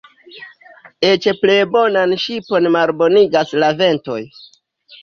Eĉ plej bonan ŝipon malbonigas la ventoj.